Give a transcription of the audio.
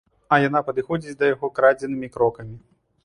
А яна падыходзіць да яго крадзенымі крокамі.